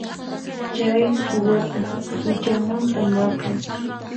Chay suwata huchanmanta maqay.